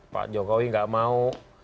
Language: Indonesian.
pak jokowi tidak mau